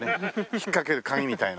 ひっかける鉤みたいな。